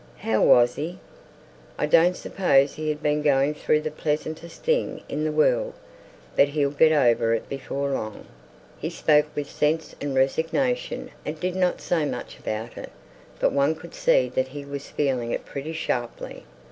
"How was he?" "I don't suppose he'd been going through the pleasantest thing in the world; but he'll get over it before long. He spoke with sense and resignation, and didn't say much about it; but one could see that he was feeling it pretty sharply.